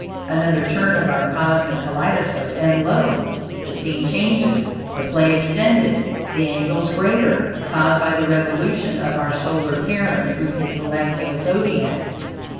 Another turn of our cosmic kaleidoscope, and lo! the scene changes the play extended, the angles greater, caused by the revolution of our solar parent through his celestial Zodiac.